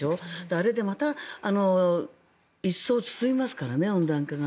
あれでまた一層進みますからね温暖化が。